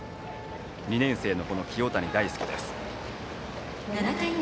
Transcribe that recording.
２年生の清谷大輔です。